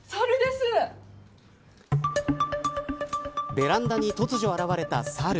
ベランダに突如現れたサル。